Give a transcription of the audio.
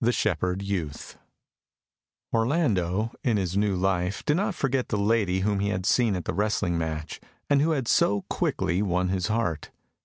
The Shepherd Youth Orlando, in his new life, did not forget the lady whom he had seen at the wrestling match, and who had so quickly won his heart.